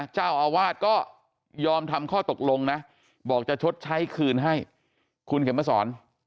เจ้าอาวาสก็ยอมทำข้อตกลงนะบอกจะชดใช้คืนให้คุณเข็มมาสอน